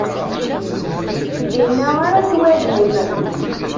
Dinna ara t-twalim.